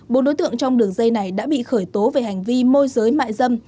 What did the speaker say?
bốn đối tượng trong đường dây này đã bị khởi tố về hành vi môi giới mại dâm